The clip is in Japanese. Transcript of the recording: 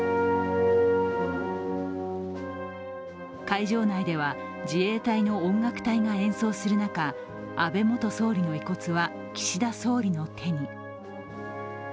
会場内では自衛隊の音楽隊が演奏する中、安倍元総理の遺骨は岸田総理の手に。